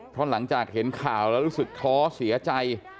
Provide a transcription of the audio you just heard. เพราะหลังจากเห็นข่าวแล้วรู้สึกท้อเสียใจ